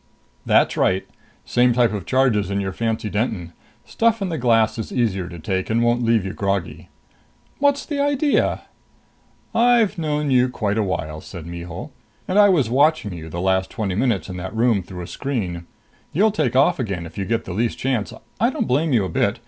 "That's right. Same type of charge as in your fancy Denton. Stuff in the glass is easier to take and won't leave you groggy." "What's the idea?" "I've known you quite a while," said Mihul. "And I was watching you the last twenty minutes in that room through a screen. You'll take off again if you get the least chance. I don't blame you a bit.